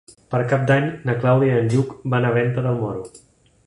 Per Cap d'Any na Clàudia i en Lluc van a Venta del Moro.